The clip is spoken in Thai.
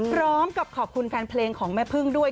พร้อมกับขอบคุณแฟนเพลงของแม่พึ่งด้วย